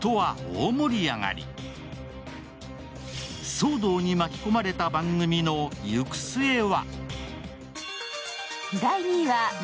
騒動に巻き込まれた番組の行く末は？